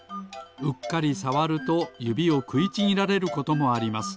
うっかりさわるとゆびをくいちぎられることもあります。